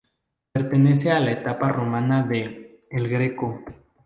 Pertenece a la etapa romana de El Greco.